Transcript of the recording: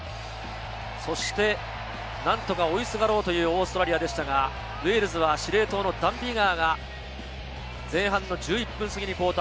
そして何とか追いすがろうというオーストラリアでしたが、ウェールズは司令塔のダン・ビガーが前半１１分過ぎに交代。